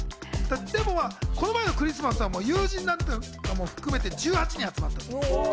この前のクリスマスは友人なんかも含めて１８人集まった。